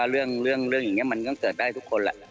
เรื่องอย่างนี้มันก็เกิดได้ทุกคนแหละ